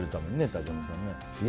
竹山さん。